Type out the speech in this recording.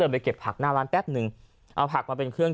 เดินไปเก็บผักหน้าร้านแป๊บนึง